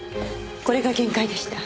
これが限界でした。